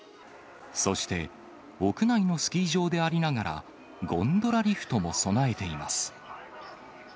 そして、屋内のスキー場でありながら、ゴンドラリフトも備えています。